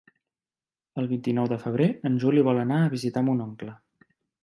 El vint-i-nou de febrer en Juli vol anar a visitar mon oncle.